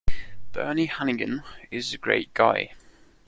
Bernie Hanighen is a great guy.